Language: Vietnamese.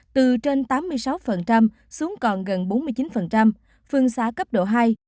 từ trên tám mươi sáu xuống còn gần bốn mươi chín phương xã cấp độ hai